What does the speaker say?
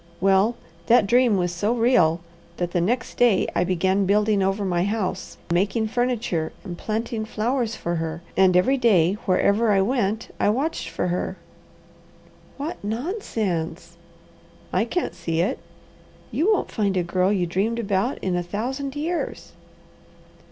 Well, that dream was so real, that the next day I began building over my house, making furniture, and planting flowers for her; and every day, wherever I went, I watched for her." "What nonsense!" "I can't see it." "You won't find a girl you dreamed about in a thousand years."